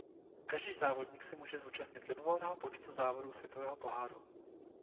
Každý závodník se může zúčastnit libovolného počtu závodů Světového Poháru.